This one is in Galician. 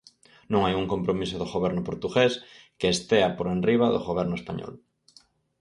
Non hai un compromiso do Goberno portugués que estea por enriba do Goberno español.